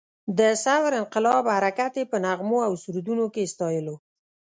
د ثور انقلاب حرکت یې په نغمو او سرودونو کې ستایلو.